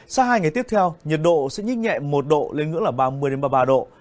sau hai ngày tiếp theo nhiệt độ sẽ nhích nhẹ một độ lên ngưỡng là ba mươi ba mươi ba độ